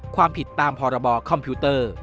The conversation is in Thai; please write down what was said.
ความผิดตามพรบคอมพิวเตอร์